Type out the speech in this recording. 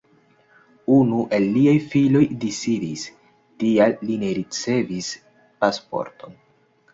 Unu el liaj filoj disidis, tial li ne ricevis pasporton.